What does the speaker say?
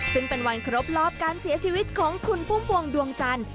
ซึ่งเป็นวันครบรอบการเสียชีวิตของคุณพุ่มพวงดวงจันทร์